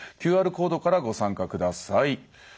ＱＲコードからご参加下さい。